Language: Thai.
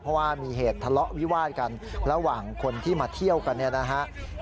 เพราะว่ามีเหตุทะเลาะวิวาดกันระหว่างคนที่มาเที่ยวกันเนี่ยนะฮะ